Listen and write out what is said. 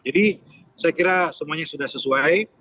jadi saya kira semuanya sudah sesuai